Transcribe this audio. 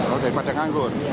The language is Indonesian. oh daripada embang anggur